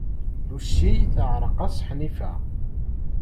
Lucy teɛreq-as Ḥnifa.